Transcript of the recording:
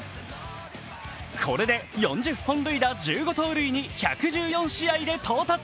これで４０本塁打・１５盗塁に１１４試合で到達。